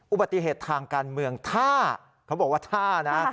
อุบัติเหตุทางการเมืองถ้าเขาบอกว่าถ้านะ